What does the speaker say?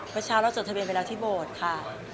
พระเจ้าเราจดทะเบนไปแล้วที่โบสถ์ค่ะ